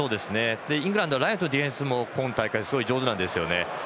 イングランドラインディフェンスも今大会はすごく上手ですね。